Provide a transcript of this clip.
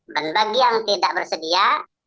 dan bagi yang tidak bersedia